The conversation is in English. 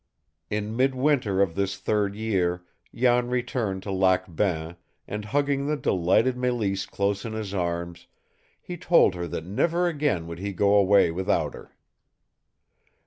In midwinter of this third year, Jan returned to Lac Bain, and, hugging the delighted Mélisse close in his arms, he told her that never again would he go away without her.